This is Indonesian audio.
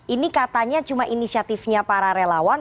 ini katanya cuma inisiatifnya para relawan